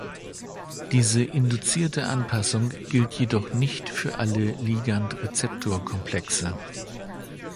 Diese induzierte Anpassung gilt jedoch nicht für alle Ligand-Rezeptor-Komplexe.